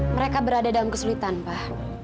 mereka berada dalam kesulitan pak